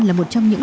là một trong những